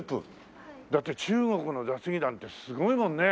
だって中国の雑技団ってすごいもんね。